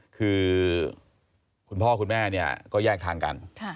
คือคุณพ่อคุณแม่เนี่ยก็แยกทางกัน